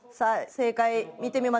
正解。